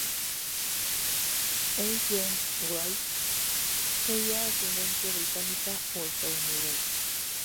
E. Jane-Wrigth poseía ascendencia británica o estadounidense.